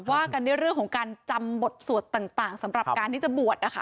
ว่ากันด้วยเรื่องของการจำบทสวดต่างสำหรับการที่จะบวชนะคะ